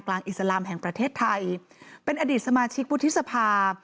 กลางอิสลามแห่งประเทศไทยเป็นอดีตสมาชิกพุทธศพา